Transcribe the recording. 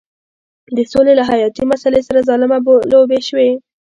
د سولې له حیاتي مسلې سره ظالمانه لوبې شوې.